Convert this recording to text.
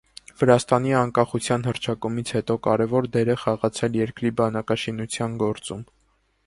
Վրաստանի անկախության հռչակումից հետո կարևոր դեր է խաղացել երկրի բանակաշինության գործում։